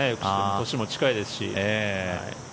年も近いですし。